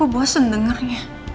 gue bosen dengarnya